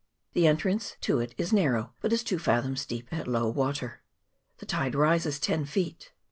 The entrance to it is narrow, but is two fathoms deep at low water. The tide rises ten feet.